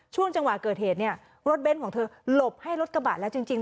ช่วงจังหวะเกิดเหตุเนี่ยรถเบ้นของเธอหลบให้รถกระบาดแล้วจริง